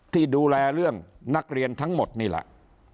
ที่ดูแลเรื่องนักเรียนทั้งหมดนี่แหละ